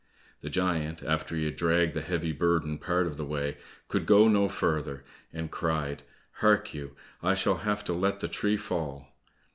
The giant, after he had dragged the heavy burden part of the way, could go no further, and cried, "Hark you, I shall have to let the tree fall!"